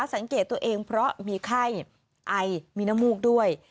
สังเกตตัวเองเพราะมีไข้ไอมีนมูกด้วย